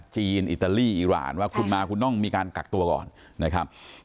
อิตาลีอิราณว่าคุณมาคุณต้องมีการกักตัวก่อนนะครับ